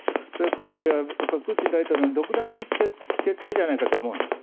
今回はプーチン大統領の独断的決定じゃないかと思うんです